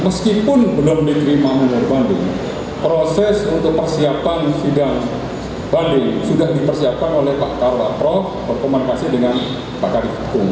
meskipun belum diterima menghubungi banding proses untuk persiapan sidang banding sudah dipersiapkan oleh pak karwa prof berkomunikasi dengan pak kadif kuhn